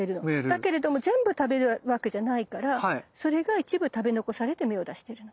だけれども全部食べるわけじゃないからそれが一部食べ残されて芽を出してるの。